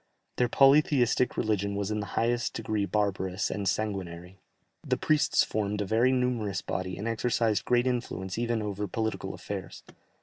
Their polytheistic religion was in the highest degree barbarous and sanguinary; the priests formed a very numerous body, and exercised great influence even over political affairs.